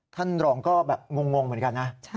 ท่านรองก็แบบงงเหมือนกันนะ